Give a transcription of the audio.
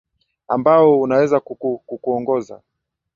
ambao unaweza ku ku kuongoza